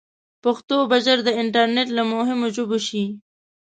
پښتو به ژر د انټرنیټ له مهمو ژبو شي.